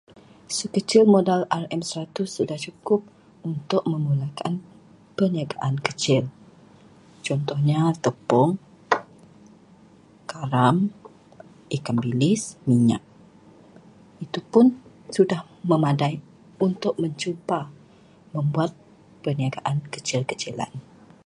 Sekecil modal seratus ringgit sudah cukup untuk memulakan perniagaan kecil. Contohnya, tepung, garam, ikan bilis, minyak. Itu pun sudah memadai untuk mencuba membuat perniagaan kecil-kecilan.